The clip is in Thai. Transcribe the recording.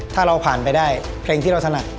ถ้าเราผ่านไปได้เพลงที่เราถนัด